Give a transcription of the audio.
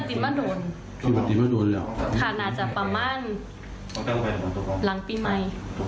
ปกติมีหนูคนเดียวที่จะเขาหอมนี้ได้